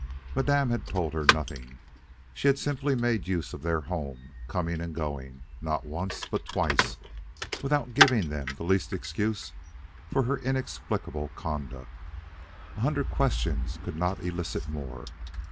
Madame had told her nothing. She had simply made use of their home, coming and going, not once, but twice, without giving them the least excuse for her inexplicable conduct. A hundred questions could not elicit more.